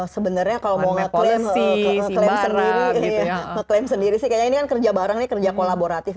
sebenarnya kalau mau ngeklaim sendiri sih kayaknya ini kan kerja bareng ini kerja kolaboratif